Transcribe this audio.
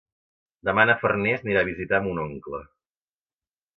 Demà na Farners anirà a visitar mon oncle.